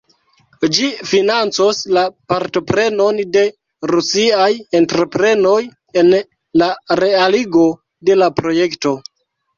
Ĝi financos la partoprenon de rusiaj entreprenoj en la realigo de la projekto.